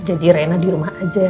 jadi rena dirumah aja